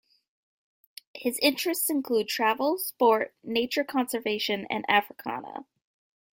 His interests include travel, sport, nature conservation and Africana.